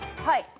はい。